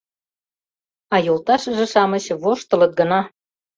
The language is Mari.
А йолташыже-шамыч воштылыт гына.